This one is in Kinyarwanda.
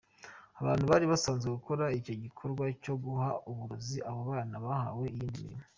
Abantu bari basanzwe bakora icyo gikorwa cyo guha uburozi abo bana, bahawe iyindi mirimo.